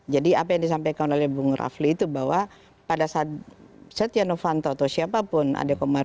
jadi apa yang disampaikan oleh bu ngo rafli itu bahwa pada saat satya novanto atau siapapun ada kemarin